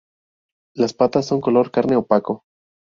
Las patas son color carne opaco.